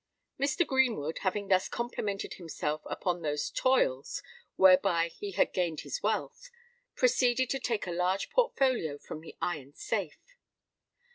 Mr. Greenwood, having thus complimented himself upon those "toils" whereby he had gained his wealth, proceeded to take a large portfolio from the iron safe.